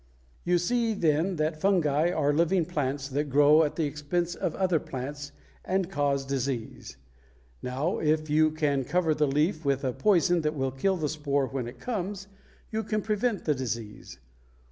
You see, then, that fungi are living plants that grow at the expense of other plants and cause disease. Now if you can cover the leaf with a poison that will kill the spore when it comes, you can prevent the disease.